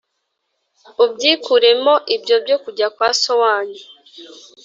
ubyikuremo ibyo byo kujya kwa so wanyu?